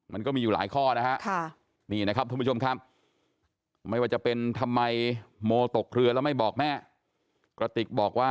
มันก็มีอยู่หลายข้อค่ะวิว